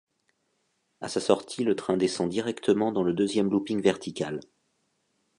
À sa sortie, le train descend directement dans le deuxième looping vertical.